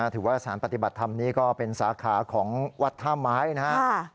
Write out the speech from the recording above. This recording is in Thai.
ถือว่าสถานปฏิบัติธรรมนี้ก็เป็นสาขาของวัดท่าไม้นะครับ